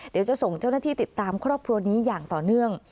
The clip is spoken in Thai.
เดี๋ยวจะส่งเจ้าหน้าที่ติดตามครอบครัวนี้อย่างต่อเนื่อง